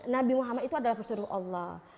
nabi muhammad itu adalah pesul allah